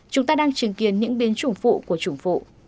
chúng ta đang chứng kiến những biến chủng phụ của chủng phụ